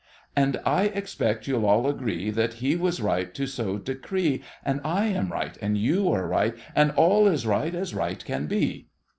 And I expect you'll all agree That he was right to so decree. And I am right, And you are right, And all is right as right can be!